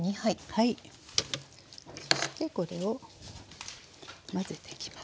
そしてこれを混ぜていきますね。